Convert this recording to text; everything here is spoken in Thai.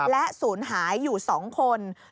และสูญหายอยู่๒คน